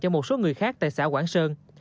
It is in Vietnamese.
cho một số người khác tại xã quảng sơn